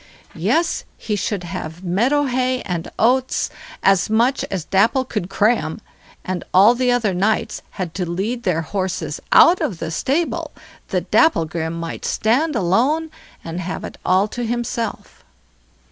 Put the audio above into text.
Yes! he should have meadow hay and oats, as much as Dapple could cram, and all the other knights had to lead their horses out of the stable that Dapplegrim might stand alone, and have it all to himself.